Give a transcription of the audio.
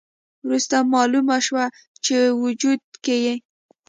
وروسته مالومه شوه چې وجود کې یې